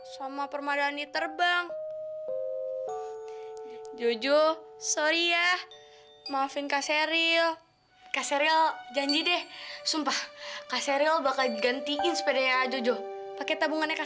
sampai jumpa di video selanjutnya